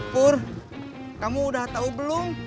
pur kamu udah tahu belum